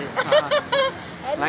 enggak boleh enggak boleh